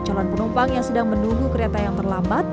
calon penumpang yang sedang menunggu kereta yang terlambat